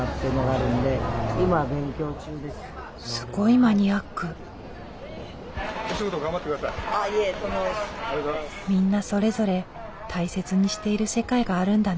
みんなそれぞれ大切にしている世界があるんだな。